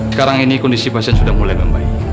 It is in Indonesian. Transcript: sekarang ini kondisi pasien sudah mulai membaik